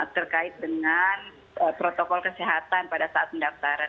terkait dengan protokol kesehatan pada saat pendaftaran